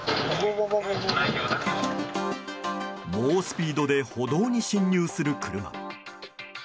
猛スピードで歩道に進入する車。